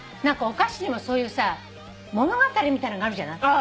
何かお菓子にもそういうさ物語みたいなのがあるじゃない。